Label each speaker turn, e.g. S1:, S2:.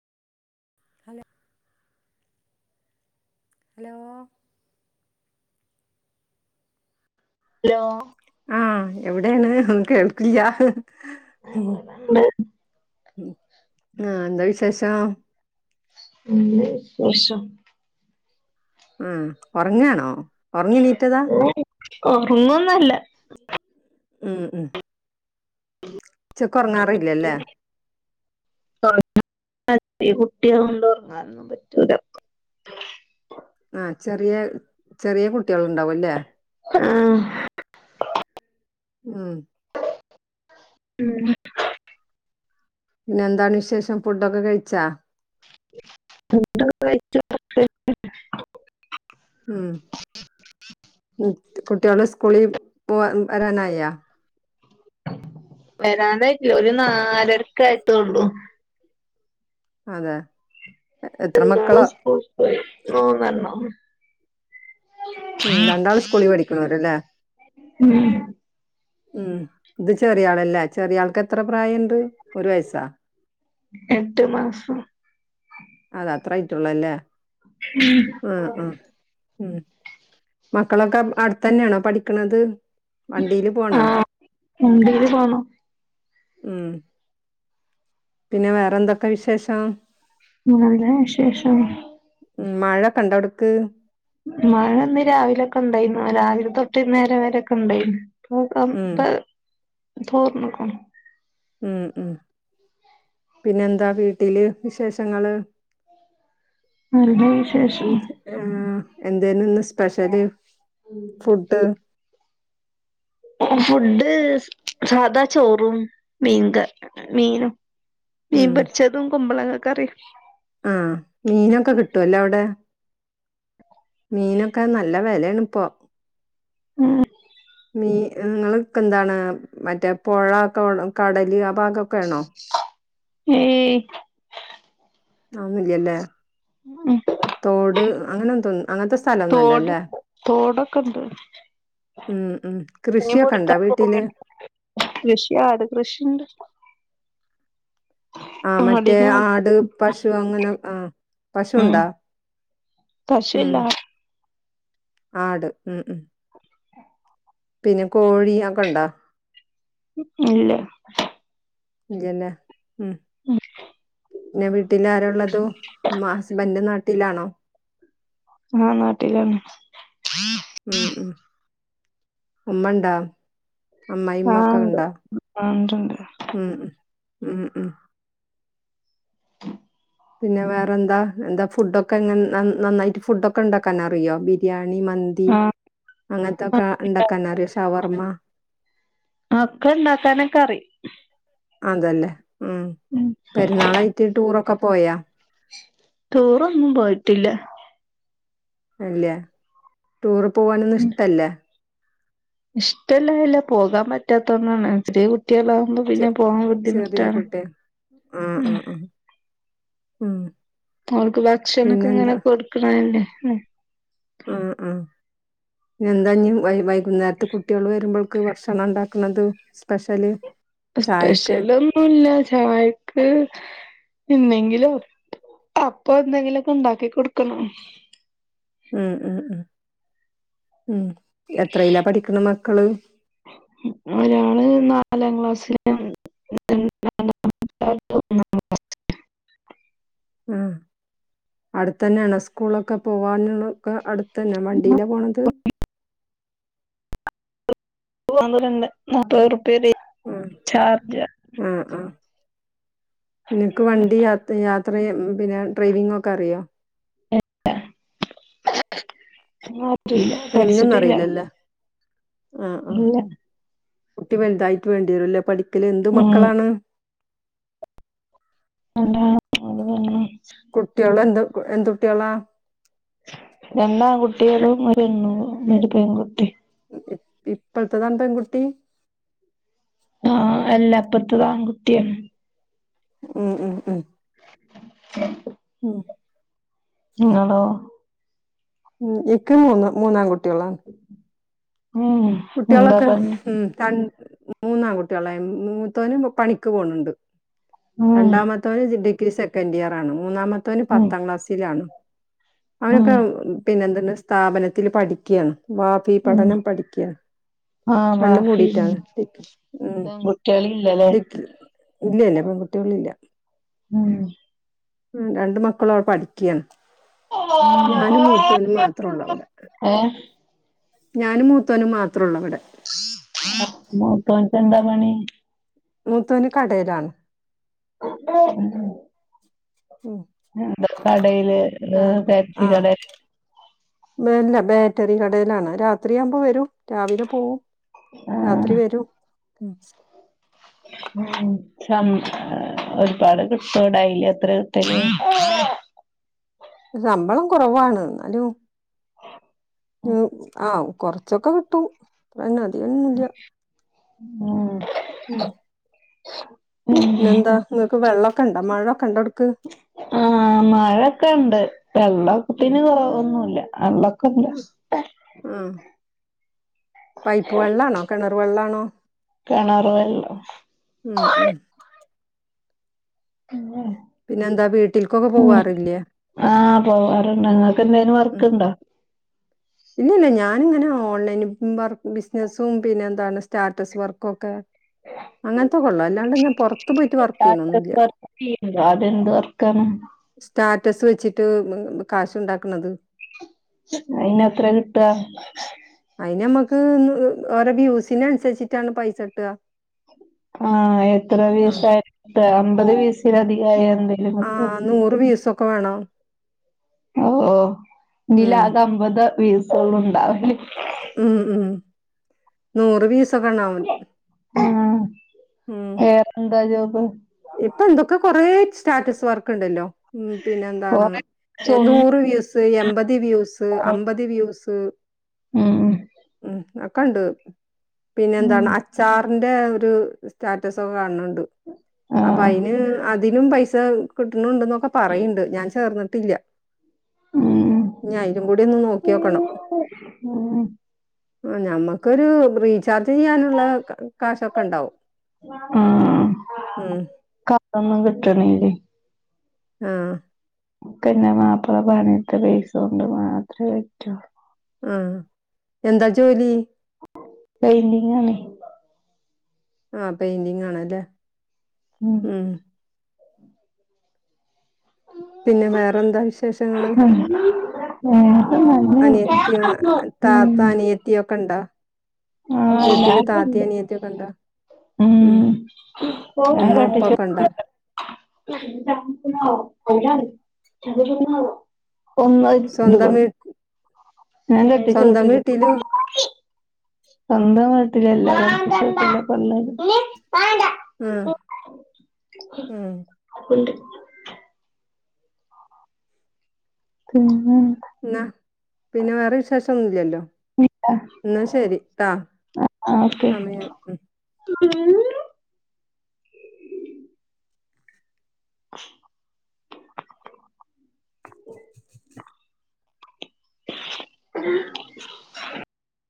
S1: ഹല്ലെ hello
S2: hello
S1: ആഹ എവിടെയാണ് ഒന്നും കേൾക്കില്ല ഹ് ഹ്
S2: ഇവിടെണ്ട് നല്ല
S1: ഉ ആ എന്താ വിശേഷം
S2: നല്ല വിശേഷം
S1: ഉം ഉറങ്ങാണോ ഉറങ്ങണീറ്റതാ
S2: ഉറങ്ങൊന്നല്ല
S1: ഉം ഉം ഉച്ചക്ക് ഒറങ്ങാറില്ലല്ലേ
S2: [inaudible] [unintelligible] കുട്ടിഅവോണ്ട് ഉറങ്ങാനൊന്നും പറ്റൂല
S1: ആ ചെറിയ ചെറിയ കുട്ടികൾ ഉണ്ടാവും ല്ലേ
S2: ആ
S1: ഉം
S2: ഉം
S1: പിന്നെ എന്താണ് വിശേഷം ഫുഡൊക്കെ കഴിച്ചാ
S2: [unintelligible]
S1: ഉം കുട്ടികള് സ്കൂളിൽ പോവാ വരാനായാ
S2: വരാനായിട്ടില്ല ഒരു നാലരക്ക എത്തൊള്ളൂ
S1: അതെ എത്ര
S2: നൊള
S1: മക്കളാ
S2: സ്കൂളിപോയി മൂന്നെണ്ണം
S1: ഉം രണ്ടാള് സ്കൂളി പഠിക്കണരല്ലേ
S2: ഉം
S1: ഉം ഇത് ചെറിയ ആളല്ല ചെറിയ ആൾക്ക് എത്ര പ്രായംണ്ട് ഒരു വയസാം
S2: എട്ട് മാസം.
S1: അത അത്രായിട്ടുള്ളല്ലേ.
S2: ഉം
S1: ആ ആ ഉം മക്കളൊക്കെ അടുത്ത തന്നെയാണോ പഠിക്കണത്. വണ്ടിയില് പോണ
S2: ആഹ് വണ്ടീല് പോണം
S1: ഉം പിന്നെ വേറെന്തൊക്കെ വിശേഷം.
S2: നല്ല വിശേഷം
S1: ഉ മഴ കണ്ടവിടുക്ക്.
S2: മഴ ഒന്ന് രാവിലൊക്കെ ഉണ്ടായിരുന്നു. രാവിലെ തൊട്ട് നേരം വരെക്കെ ഉണ്ടായിരുന്നു. ക്കാം
S1: ഉം.
S2: പ തോർണ്ക്കണു
S1: ഉം ഉം പിന്നെന്താ വീട്ടില് വിശേഷങ്ങള്.
S2: നല്ല വിശേഷം.
S1: ആ എന്തേന ഒന്ന് സ്പെഷ്യല് ഫുഡ്.
S2: ഫുഡ് സാധാ ചോറും മീൻക മീനും. മീൻ
S1: ഉം.
S2: പരിച്ചതും കുമ്പളളങ്ങ കറിം
S1: ആഹ മീനൊക്കെ കിട്ടുവല്ലോ അവിടെ. മീനൊക്കെ നല്ല വലണ് ഇപ്പോ.
S2: ഉം
S1: മീ നിങ്ങൾക്ക എന്താണ് മറ്റേ പുഴക്കെ കടല് ആ ഭാഗൊക്കെ ആണോ?
S2: ഏ
S1: അന്നുല്ലല്ലേ.
S2: ഉം
S1: തോട് അങ്ങത്തെ അങ്ങനത്തെ
S2: തോട്
S1: സ്ഥലംഒന്നല്ലല്ലേ?
S2: തോടൊക്കെ ഉണ്ട്.
S1: ഉം ഉം
S2: മീൻ
S1: കൃഷിയൊക്കെ ഉണ്ടോ
S2: പൊടിക്കാൻ
S1: വീട്ടില്?
S2: കൃഷി ആട് കൃഷിയുണ്ട്.
S1: ആ മറ്റേ
S2: ആടിനെ വളർത്തും
S1: ആട്, പശു അങ്ങനെ ആ
S2: ഉം
S1: പശുണ്ടാ? ഉം
S2: പശുല്ല
S1: ആട് ഉം ഉം പിന്നെ കോഴി അകട ഉണ്ടോ?
S2: ഇല്ല
S1: ഇല്ലല്ലേ ഉം പിന്നെ വീട്ടിൽ ആരാ ഉള്ളത്? മ്മാ ഹസ്ബൻഡ് നാട്ടിലാണോ?
S2: ആഹ് നട്ടിലാണ്.
S1: ഉം ഉം ഉമ്മണ്ടാ?
S2: ആ
S1: അമ്മായിയമ്മഒക്കെ
S2: ഉണ്ട്
S1: ഉണ്ടോ?
S2: ആ ഉണ്ട്ണ്ട്
S1: ഉം ഉം ഉം ഉം
S2: [inaudible]
S1: പിന്നെ വേറെന്താ എന്താ ഫുഡൊക്കെ എങ്ങനെ നന്നായിട്ട് ഫുഡൊക്കെ ഉണ്ടാക്കാൻ അറിയോ? ബിരിയാണി, മന്തി ന്തി
S2: ആ
S1: അങ്ങനത്തൊക്കെ ഉണ്ടാക്കനറിയോ? ഷവർമ്മ
S2: ഒക്കെ ഉണ്ടാക്കാനൊക്ക അറിയും.
S1: അതല്ലേ ഉം പെരുന്നാളായിട്ട് ടൂറൊക്കെ പോയാ
S2: ടൂറൊന്നും പോയിട്ടില്ല.
S1: ഇല്ലെ. ടൂറ് പോവാനൊന്നും
S2: ഉം
S1: ഇഷ്ടല്ലെ.
S2: ഇഷ്ടല്ലായില്ല പോകാൻ പറ്റാത്തോണ്ടാണ്. ചെറീയകുട്ട്യേളെ.
S1: ചെ ചെറീയ കുട്ടി ആഹ് ആ
S2: ഉം
S1: ആ ഉം
S2: അവൾക്ക് ഭക്ഷണം ഒക്കെ ഇങ്ങനെ
S1: പിന്നെന്താ
S2: കൊടുക്കണല്ലേ?
S1: അഹ് ആ ഇഞ് എന്താഞ് വൈകുന്നേരത്തെ കുട്ട്യേൾ വരുമ്പോൾക്ക് ഭക്ഷണം ഇണ്ടാക്ക ഇങൾത് സ്പെഷ്യല്? ചായക്ക്
S2: സ്പെഷ്യലൊന്നുല്ല ചായക്ക് ഇന്നെങ്കിലും അപ്പൊ എന്തെങ്കിലും ഒക്കെ ഇണ്ടാക്കി കൊടുക്കണം.
S1: ഉം ഉം ഉം ഉം എത്രയിലാപഠിക്ക്ണെ മക്കള്?
S2: ഒരാള് നാലാം ക്ലാസ്സിലും [unintelligible]
S1: ആഹ് അടുത്തെന്നേണോ സ്കൂളൊക്കെ പോവാനുള്ളൊക്കെ അടുത്തന്നെ വണ്ടിയിലാപോണത്?
S2: പോവല്ണ്ട് [unintelligible] ഷാർജ
S1: ആ ആ നിനക്ക് വണ്ടി യാത്രയും പിന്നെ ഡ്രൈവിങ്ങ് ഒക്കെ അറിയൊ?
S2: [unintelligible]
S1: ഡ്രൈവിങ്ങ് ഒന്നും അറീലല്ല? ആ ആ
S2: ഇല്ല
S1: കുട്ടി വലുതായിട്ട് വേണ്ട്യേരുല്ലേ പഠിക്കല്. എന്തു
S2: ഉം
S1: മക്കളാണ്?
S2: രണ്ടാണ്. അത് പിന്നെ
S1: കുട്ട്യേള് എന്ത് എന്ത് കുട്ട്യേളാ?
S2: രണ്ടാങ്കുട്ട്യേളും ഒരു പെണു ഒരു പെൺകുട്ടി.
S1: ഇപ്പത്തതാണ് പെൺകുട്ടി?
S2: ആഹ് അല്ല ഇപ്പത്തതാൺകുട്ട്യാണ്.
S1: ഉം ഉം ഉം ഉം
S2: ഇങ്ങളോ?
S1: ഉം ഇക്ക് മൂന്ന് മൂന്നാൺ കുട്ടികളാണ്.
S2: ഉം എന്താ
S1: കുട്ട്യോളൊക്കെ
S2: പറഞ്ഞെ
S1: ഉം. തൺ. മൂന്നാങ്കുട്ട്യേള. എ മ്. മൂതോനും പണിക്ക് പോണ് ഇണ്ട്.
S2: ഉം
S1: രണ്ടാ തോൻ. ഡിഗ്രി സെക്കൻഡ്ഇയറാണ്. മൂന്നാമതോന്
S2: ഉം
S1: പത്താം ക്ലാസിലാണ്.
S2: ഉം
S1: അവനൊക്കെ പിന്നെന്ത്ണ്ട്. സ്ഥാപനത്തില് പഠിക്ക്യാണ്. വാഫി
S2: ഉം
S1: പഠനം പഠിക്ക്യാണ്.
S2: ആഹ്
S1: രണ്ടും
S2: മാഫി
S1: കൂടീട്ടാണ്. ഡിക്ക് ഉം
S2: പെൺകുട്ടികളില്ലല്ലേ
S1: ഡിക്കി ഇല്യ ഇല്ല. പെങ്കുട്ട്യേളില്ല.
S2: ഉം
S1: ഉം. രണ്ട് മക്കളു അവടെ പഠിക്ക്യാണ്. ഞാനും മുത്തോനും മാത്രൊള്ളു അവടെ.
S2: ഹേ.
S1: ഞാനും മൂത്തോനും മാത്രോള്ളു. അവടെ.
S2: ആ. പ്പ്. മുത്തോൻക്കെന്താ പണി..
S1: മൂത്തോന് കടേലാണ്.
S2: ഉം ഉം
S1: ഉം
S2: അതെ കടയില് ഏഹ് ഫാൻസി
S1: ആഹ്
S2: കടേല്.
S1: [unintelligible] ബേറ്ററി കടേലാണ് രാത്രിയാവുമ്പോ വെരും. രാവിലെ പോവും രാത്രി
S2: ആഹ്
S1: വെരും ഉം
S2: ഉം ആഹ് ഒരുപാട് കിട്ടോ ഡെയിലി എത്രേ കിട്ടല്?
S1: ശമ്പളം കൊറവാണ് ഇന്നാലു ഏഹ് ആഹ് കൊറച്ചൊക്കെ കിട്ടൂ അതെന്നാണ്
S2: ഉം
S1: ഉം
S2: മ്മ്ഹ്..
S1: പിന്ന എന്താ ഇങ്ങക്ക് വെള്ളക്കെണ്ടാ മഴക്കെണ്ടാടക്ക്.
S2: ആഹ് മഴെക്കെണ്ട് വെള്ളത്തിന് കൊറവൊന്നുല്ല വെള്ള
S1: ഉം ആഹ് പൈപ്പ് വെള്ളാണോ കെണറ് വെള്ളാണോ?
S2: കെണറ് വെള്ളം.
S1: ഉം ഉം
S2: ഇല്ലേ?
S1: പിന്നെ എന്താ? വീട്ടിൽക്കൊക്കെ പോവാറില്ലേ?
S2: ആഹ് പോവാറുണ്ട് ഇങ്ങക്ക് എന്തേലും വർക്ക്ണ്ടോ?
S1: ഇല്യല്ല്യ ഞാനിങ്ങനെ ഓൺലൈൻ വർ. ബിസിനസും പിന്നെ എന്താണ് സ്റ്റാറ്റസ് വർകൊക്കെ അങ്ങൻത്തൊക്കെള്ളു അല്ലാണ്ട് ഇങ്ങനെ പൊറത്തു പോയിട്ട് വർക്ക് ചെയ്യണോന്നുല്ല്യ.
S2: [unintelligible] അതെന്ത് വർക്കാണ്?
S1: സ്റ്റാറ്റസ് വെച്ചിട്ട് ഉം കാശ്ണ്ടാക്കണത്.
S2: അയിനെത്രാ കിട്ടാ
S1: അയിന് നമ്മക്ക് [unintelligible] ഓരോ വ്യൂസിന് അനുസരിച്ചിട്ടാണ്. പൈസ കിട്ടാ.
S2: ആഹ് എത്ര
S1: ആഹ്
S2: വ്യൂസാ കിട്ടാ അമ്പത് വ്യൂസായഎന്തേം കിട്ടോ?
S1: ആഹ് നൂറ് വ്യൂസൊക്കെ വേണോ?
S2: ഓഹ് ഓഹ്
S1: ഉം
S2: ഇന്റിലാകെ അമ്പത് വീസൊള്ളുണ്ടാവല്.
S1: ഉം ഉം നൂറ് വീസ് ക്കെണ്ടാവും ഉം
S2: എന്താ ജോബ്?
S1: ഇപ്പൊ എന്തക്കൊ കൊറെ സ്റ്റാറ്റസ് വർക്ക്ണ്ടല്ലോ ഉം പിന്നെ എന്താണ്
S2: കൊറേ
S1: നൂറ് വ്യൂസ് ത് എമ്പത് വ്യൂസ് അമ്പത് വ്യൂസ്
S2: ഉം
S1: ഉം ഒക്കണ്ട് പിന്നെ
S2: ഉം ഉം
S1: എന്താണ് അച്ചാറിന്റെ ഒരു സ്റ്റാറ്റസൊക്കെ കാണണ് ഇണ്ട്.
S2: ഉ [inaudible]
S1: അപ്പൊ അയിന് അതിനും പൈസ കിട്ടണണ്ട്ന്നൊക്കെ പറയണ്ട് ഞാൻ ചേർന്നിട്ടില്ലാ
S2: ഉം
S1: ഇഞ്ഞി അയിലും കൂടി ഒന്ന് നോക്ക്യോക്കണം
S2: ഉം
S1: ആഹ് ഞമ്മക്കൊരു റീചാർജ് ചെയ്യാനുള്ള കാശൊക്കെ ഇണ്ടാവും
S2: ഉം
S1: ഉം
S2: കത്തൊന്നും കിട്ടണില്ലേ
S1: ആഹ്
S2: പിന്നെ മാപ്പള പണിയെടുത്ത പൈസ കൊണ്ട് മാത്രേ പറ്റൂ
S1: ആഹ് എന്താ ജോലി?
S2: പെയിൻ്റിംഗാണെ
S1: ആഹ് പെയിന്റിങ് ആണല്ലേ
S2: ഉം
S1: ഉം പിന്നെ വേറെന്താ വിശേഷങ്ങള്
S2: ഉം. വേറെ നല്ല
S1: അനിയത്തിമാ- താത്ത അനിയത്തിയൊക്കെ ഉണ്ടാ
S2: ആഹ് എല്ലാരുണ്ട്
S1: ഇണ്ടാ?
S2: ഉം
S1: ഉമ്മ ഉപ്പ ഒക്കെ ഇണ്ടാ?
S2: [inaudible] [unintelligible] ഒന്ന ഇ
S1: സ്വന്തം
S2: കൊ
S1: വീ
S2: ഞൻ കെട്ടിച്ച വീട്ടില്
S1: ലു
S2: സ്വന്തം വീട്ടിലല്ല കെട്ടിച്ച വീട്ടിലാ ഇപ്പൊ ഉള്ളത്
S1: ഉം ഉം
S2: അത്ണ്ട് പിന്നെന്താ
S1: എന്നാ പിന്നെ വേറെ വിശേഷം ഒന്നും ഇല്ലല്ലോ
S2: പിന്നെ
S1: എന്നാ ശരി ട്ടാ
S2: ആഹ് ഓക്കെ
S1: സമയായി. ഉം
S2: [unintelligible] അ [inaudible]